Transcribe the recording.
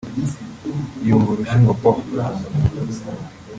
yumva urushyi ngo pooo